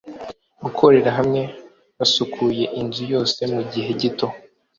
gukorera hamwe, basukuye inzu yose mugihe gito